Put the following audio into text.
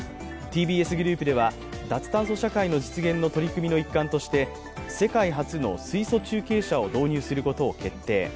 ＴＢＳグループでは脱炭素社会の実現の取り組みの一環として世界初の水素中継車を導入することを決定。